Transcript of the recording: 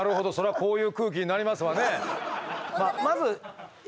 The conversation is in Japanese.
こういう空気になりますわね。